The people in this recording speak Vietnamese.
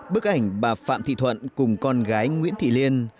bức ảnh bà phạm thị thuận cùng con gái nguyễn thị liên